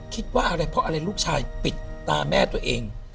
คิดว่าอะไรเพราะอะไรลูกชายปิดตาแม่ตัวเอง